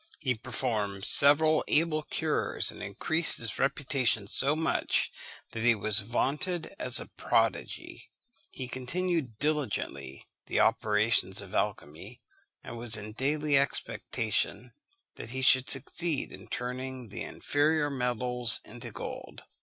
He performed several able cures, and increased his reputation so much that he was vaunted as a prodigy. He continued diligently the operations of alchymy, and was in daily expectation that he should succeed in turning the inferior metals into gold.